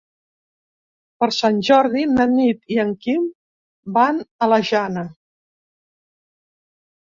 Per Sant Jordi na Nit i en Guim van a la Jana.